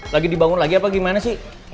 lagi di bangun lagi apa gimana sih